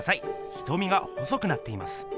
瞳が細くなっています。